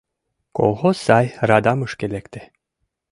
Колхоз сай радамышке лекте.